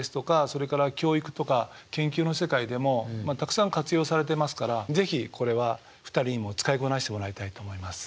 それから教育とか研究の世界でもたくさん活用されてますから是非これは２人にも使いこなしてもらいたいと思います。